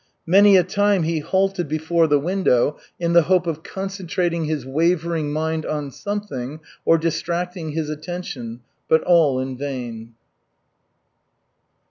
Many a time he halted before the window in the hope of concentrating his wavering mind on something, or distracting his attention, but all in vain.